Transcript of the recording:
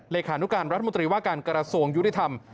เลขานุการรัฐมนตรีว่าการกระทรวงยุติธรรม